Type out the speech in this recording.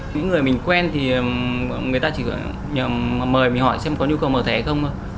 những người mình quen thì người ta chỉ có mời mình hỏi xem có nhu cầu mở thẻ hay không